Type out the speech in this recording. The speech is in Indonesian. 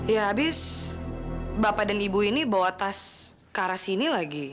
ya habis bapak dan ibu ini bawa tas ke arah sini lagi